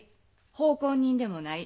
奉公人でもない。